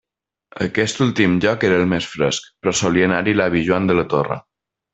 Aquest últim lloc era el més fresc, però solia anar-hi l'avi Joan de la Torre.